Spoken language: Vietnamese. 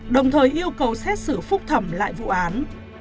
đồng thời yêu cầu xét xử phúc thẩm lại vụ án